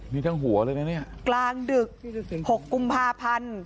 นี่ทั้งหัวเลยนะเนี่ยกลางดึก๖กุมภาพันธ์